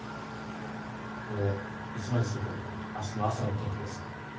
これ、いつまで続くのかあすの朝の天気です。